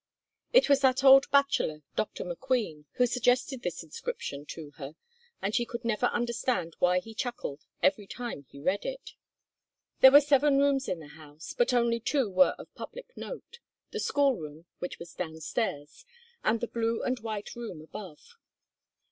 It was that old bachelor, Dr. McQueen, who suggested this inscription to her, and she could never understand why he chuckled every time he read it. There were seven rooms in the house, but only two were of public note, the school room, which was downstairs, and the blue and white room above.